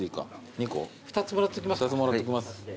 ２つもらっときます。